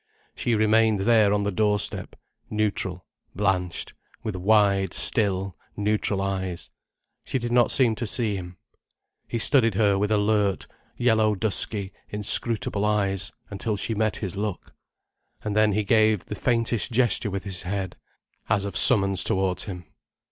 She remained there on the doorstep, neutral, blanched, with wide, still, neutral eyes. She did not seem to see him. He studied her with alert, yellow dusky, inscrutable eyes, until she met his look. And then he gave the faintest gesture with his head, as of summons towards him.